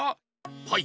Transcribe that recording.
はい。